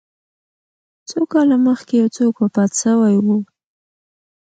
څو کاله مخکي یو څوک وفات سوی و